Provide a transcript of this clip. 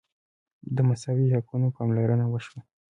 د مساوي حقونو پاملرنه وشوه.